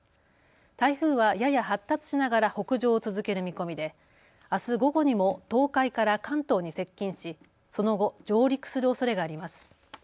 台風はやや発達しながら北上を続ける見込みであす午後にも東海から関東に接近し、その後、上陸するおそれがあります。